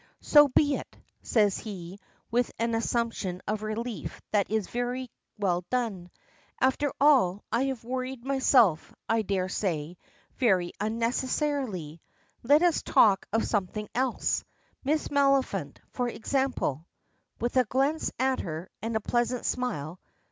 "So be it," says he, with an assumption of relief that is very well done. "After all, I have worried myself, I daresay, very unnecessarily. Let us talk of something else, Miss Maliphant, for example," with a glance at her, and a pleasant smile.